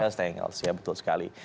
castangle ya betul sekali